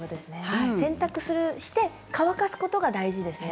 洗濯して乾かすことが大事ですね。